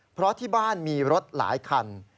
เพราะที่บ้านมีรถหลายคัน